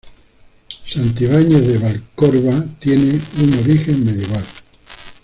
Santibáñez de Valcorba tiene un origen medieval.